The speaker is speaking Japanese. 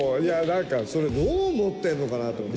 それどう思ってるのかなと思って。